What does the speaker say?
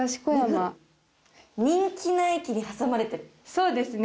そうですね。